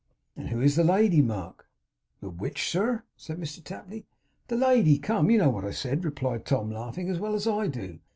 'And who is the lady, Mark?' 'The which, sir?' said Mr Tapley. 'The lady. Come! You know what I said,' replied Tom, laughing, 'as well as I do!